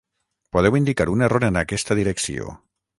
Podeu indicar un error en aquesta direcció.